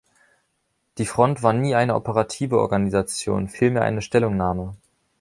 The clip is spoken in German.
Die Front war nie eine operative Organisation, vielmehr eine Stellungnahme.